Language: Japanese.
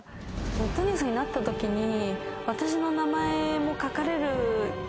ネットニュースになったときに私の名前も書かれる。